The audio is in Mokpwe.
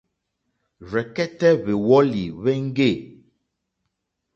Rzɛ̀kɛ́tɛ́ hwèwɔ́lì hwéŋɡê.